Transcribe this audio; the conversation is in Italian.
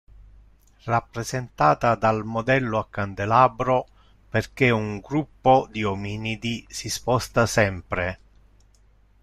Rappresentata dal modello a candelabro perché un gruppo di ominidi si sposta sempre.